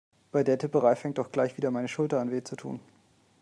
Bei der Tipperei fängt doch gleich wieder meine Schulter an weh zu tun.